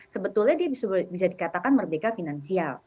sebetulnya dia bisa dikatakan merdeka finansial